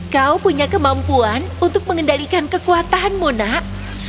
kau punya kemampuan untuk mengendalikan kekuatanmu nak